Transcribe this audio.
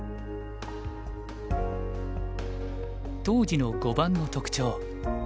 当時の碁盤の特徴